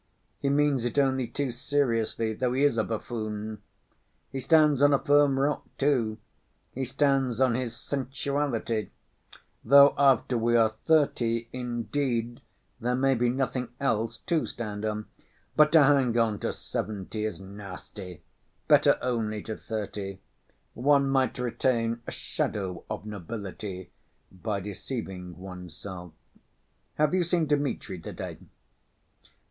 He means it only too seriously, though he is a buffoon. He stands on a firm rock, too, he stands on his sensuality—though after we are thirty, indeed, there may be nothing else to stand on.... But to hang on to seventy is nasty, better only to thirty; one might retain 'a shadow of nobility' by deceiving oneself. Have you seen Dmitri to‐day?"